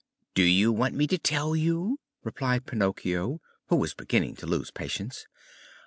"Do you want me to tell you?" replied Pinocchio, who was beginning to lose patience.